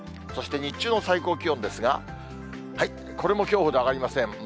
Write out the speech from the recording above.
そして日中の最高気温ですが、これもきょうほど上がりません。